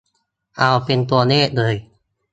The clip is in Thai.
เอาเป็นตัวเลขเลย